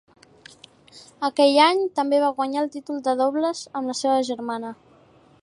Aquell any també va guanyar el títol de dobles amb la seva germana.